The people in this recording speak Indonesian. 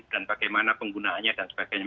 dan bagaimana penggunaannya dan sebagainya